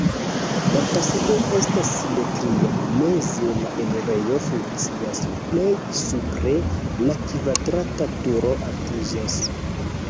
La fasado estas simetria, meze la enirejo funkcias, plej supre la kvadrata turo altiĝas.